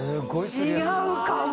違うかも。